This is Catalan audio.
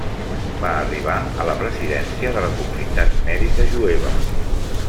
Va arribar a la presidència de la Comunitat Mèdica Jueva.